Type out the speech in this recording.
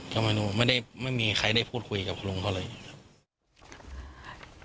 ทำไมหนูไม่ได้ไม่มีใครได้พูดคุยกับคุณลุงเขาเลยครับ